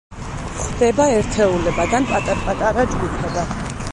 გვხვდება ერთეულებად ან პატარ-პატარა ჯგუფებად.